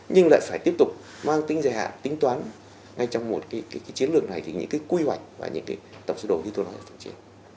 nhưng lại phải tiếp tục mang tính giải hạn tính toán ngay trong một cái chiến lược này thì những cái quy hoạch và những cái tổng số đồ như tôi nói